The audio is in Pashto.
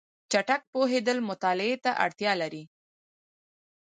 چټک پوهېدل مطالعه ته اړتیا لري.